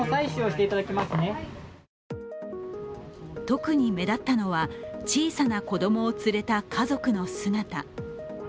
特に目立ったのは、小さな子供を連れた家族の姿。